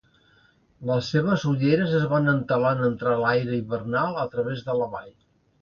Les seves ulleres es van entelar en entrar l'aire hivernal a través de la vall.